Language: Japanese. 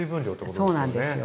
そうなんですよ。